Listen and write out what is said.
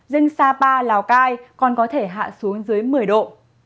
riêng sapa lào cai còn có thể hạ xuống dưới một mươi độ